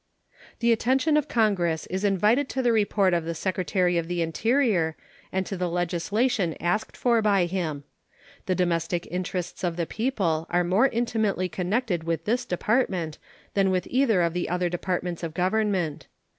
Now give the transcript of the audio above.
The attention of Congress is invited to the report of the Secretary of the Interior and to the legislation asked for by him. The domestic interests of the people are more intimately connected with this Department than with either of the other Departments of Government.